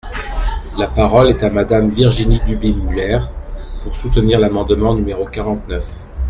La parole est à Madame Virginie Duby-Muller, pour soutenir l’amendement numéro quarante-neuf.